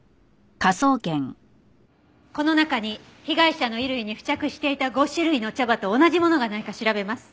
この中に被害者の衣類に付着していた５種類の茶葉と同じものがないか調べます。